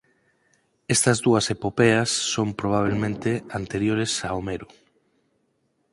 Estas dúas epopeas son probabelmente anteriores a Homero.